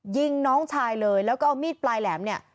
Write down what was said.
ยิงน้องชายเลยแล้วก็เอามีดปลายแหลมเนี่ย